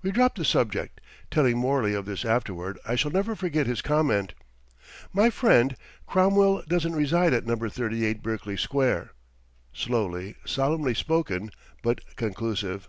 We dropped the subject. Telling Morley of this afterward, I shall never forget his comment: "My friend, Cromwell doesn't reside at Number 38 Berkeley Square." Slowly, solemnly spoken, but conclusive.